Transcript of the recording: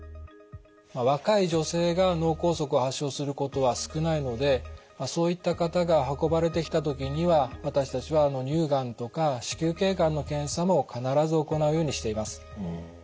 若い女性が脳梗塞を発症することは少ないのでそういった方が運ばれてきた時には私たちは乳がんとか子宮頸がんの検査も必ず行うようにしています。